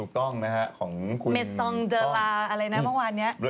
ของคุณต้องเมซองเดอร์ลาอะไรนะวันวานนี้